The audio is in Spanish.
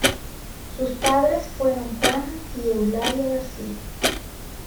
Sus padres fueron Juan y Eulalia García.